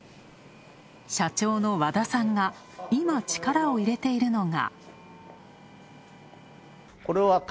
社長の和田さんが、今、力を入れているのが。